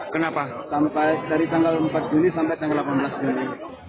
dilakukan selama dua pekan yakni mulai tanggal empat hingga delapan belas juni dua ribu dua puluh dua